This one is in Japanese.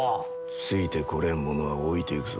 ついてこれん者は置いていくぞ。